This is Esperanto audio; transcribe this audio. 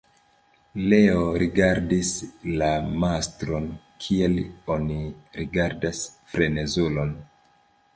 Leo rigardis la mastron kiel oni rigardas frenezulon.